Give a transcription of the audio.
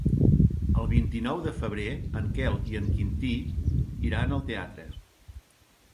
El vint-i-nou de febrer en Quel i en Quintí iran al teatre.